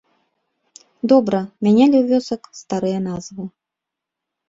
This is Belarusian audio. Добра, мянялі у вёсак старыя назвы.